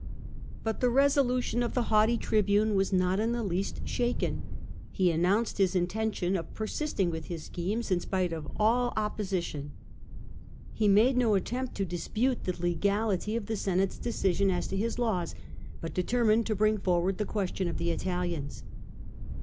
But the resolution of the haughty tribune was not in fche least shaken. He announced his intention of per sisting with his schemes in spite of all opposition: he made no attempt to dispute the legality of the Senate's decision as to his laws, but determined to bring forward the question of the Italians.